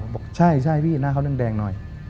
บอกใช่พี่หน้าเขาแดงหน่อย